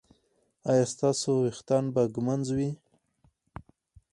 ایا ستاسو ویښتان به ږمنځ وي؟